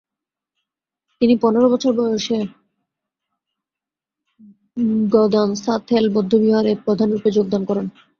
তিনি পনেরো বছর বয়সে গ্দান-সা-থেল বৌদ্ধবিহারে প্রধানরূপে যোগদান করেন।